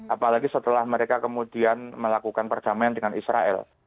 apalagi setelah mereka kemudian melakukan perdamaian dengan israel